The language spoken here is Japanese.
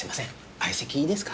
相席いいですか？